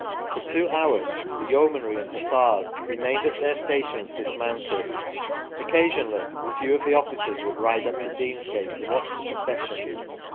For two hours the Yeomanry and Hussars remained at their stations dismounted. Occasionally a few of the officers would ride up to Deansgate to watch the procession.